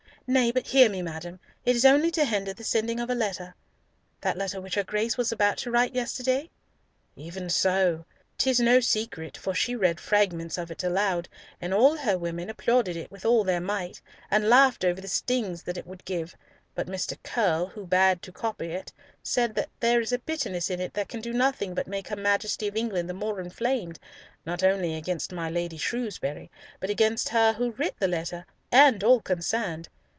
"Nay, but hear me, madam. It is only to hinder the sending of a letter." "That letter which her Grace was about to write yesterday?" "Even so. 'Tis no secret, for she read fragments of it aloud, and all her women applauded it with all their might, and laughed over the stings that it would give, but Mr. Curll, who bad to copy it, saith that there is a bitterness in it that can do nothing but make her Majesty of England the more inflamed, not only against my Lady Shrewsbury, but against her who writ the letter, and all concerned.